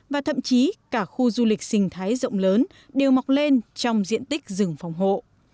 và thậm chí cả khu du lịch sinh thái rộng lớn đều mọc lên trong diện tích rừng phòng hộ